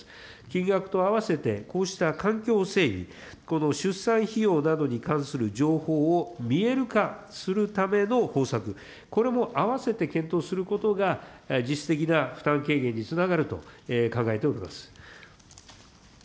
金額と併せてこうした環境整備、この出産費用などに関する情報を見える化するための方策、これもあわせて検討することが実質的な負担軽減につながると考えております。